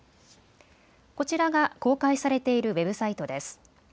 こちらが公開されているウェブサイトです。